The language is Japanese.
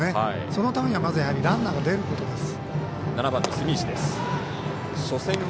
そのためには、まずランナーが出ることです。